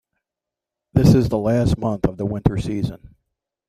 This is the last month of the winter season.